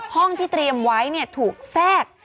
ห้องที่เตรียมไว้ถูกแทรก